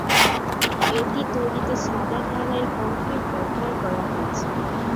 এটি তৈরিতে সাদা ঢালাই কংক্রিট ব্যবহার করা হয়েছে।